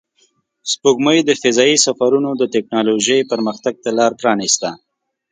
سپوږمۍ د فضایي سفرونو د تکنالوژۍ پرمختګ ته لار پرانیسته